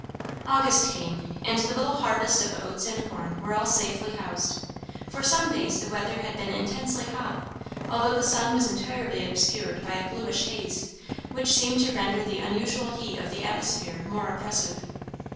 August came, and the little harvest of oats and corn were all safely housed. For some days the weather had been intensely hot, although the sun was entirely obscured by a bluish haze, which seemed to render the unusual heat of the atmosphere more oppressive.